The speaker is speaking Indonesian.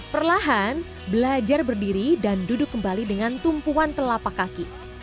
perlahan belajar berdiri dan duduk kembali dengan tumpuan telapak kaki